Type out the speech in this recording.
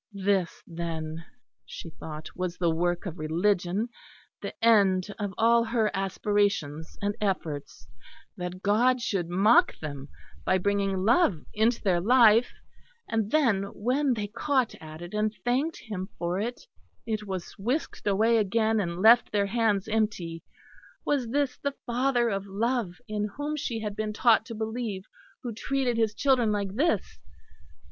This, then, she thought, was the work of religion; the end of all her aspirations and efforts, that God should mock them by bringing love into their life, and then when they caught at it and thanked him for it, it was whisked away again, and left their hands empty. Was this the Father of Love in whom she had been taught to believe, who treated His children like this?